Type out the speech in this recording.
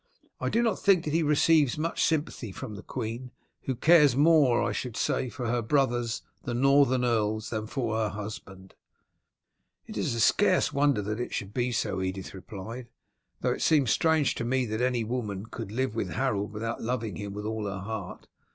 I do not think that he receives much sympathy from the queen, who cares more, I should say, for her brothers, the northern earls, than for her husband." "It is scarce a wonder that it should be so," Edith replied; "though it seems strange to me that any woman could live with Harold without loving him with all her heart.